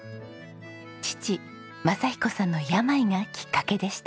父正彦さんの病がきっかけでした。